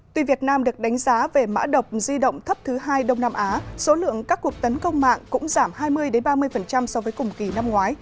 tuy việt nam được đánh giá về mã độc di động thấp thứ hai đông nam á số lượng các cuộc tấn công mạng cũng giảm hai mươi ba mươi so với cùng kỳ năm ngoái